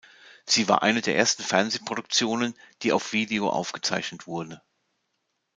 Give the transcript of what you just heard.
Sie war eine der ersten Fernsehproduktionen, die auf Video aufgezeichnet wurde.